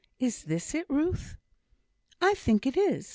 Is this it, Ruth?" "I think it is.